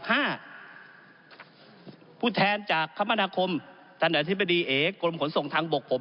ผู้แทนจากคมนาคมท่านอธิบดีเอกรมขนส่งทางบกผม